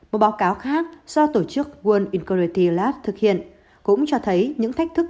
một báo cáo khác do tổ chức world incoritiel lab thực hiện cũng cho thấy những thách thức